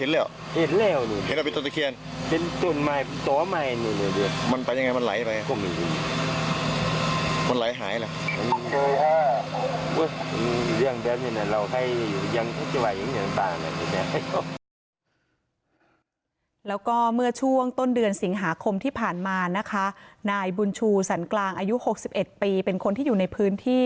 แล้วก็เมื่อช่วงต้นเดือนสิงหาคมที่ผ่านมานะคะนายบุญชูสันกลางอายุ๖๑ปีเป็นคนที่อยู่ในพื้นที่